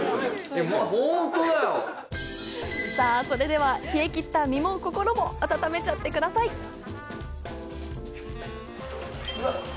それでは冷え切った身も心も温めちゃってください。